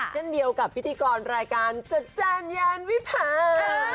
เช่นเดียวกับพิธีกรรายการจัดจานยานวิพา